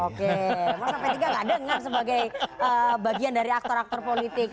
oke masa p tiga nggak dengar sebagai bagian dari aktor aktor politik